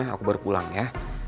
aku baru pulang ya